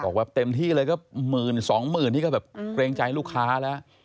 บอกว่าเต็มที่เลยก็หมื่นสองหมื่นนี่ก็แบบเกรงใจลูกค้าแล้ว